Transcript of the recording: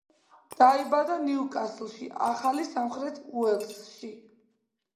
დაიბადა ნიუკასლში, ახალი სამხრეთ უელსში.